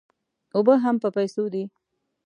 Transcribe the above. اوبه هم په پیسو دي.